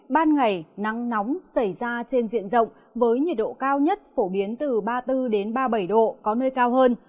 ban ngày nắng nóng xảy ra trên diện rộng với nhiệt độ cao nhất phổ biến từ ba mươi bốn ba mươi bảy độ có nơi cao hơn